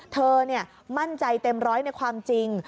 เธอมั่นใจเต็มร้อยในความจริง